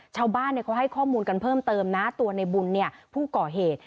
ชาวบ้านเขาให้ข้อมูลกันเพิ่มเติมนะตัวในบุญผู้ก่อเหตุ